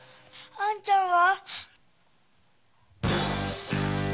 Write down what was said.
あんちゃんは？